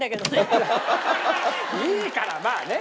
いいからまあね。